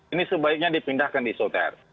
ini sebaiknya dipindahkan di isoter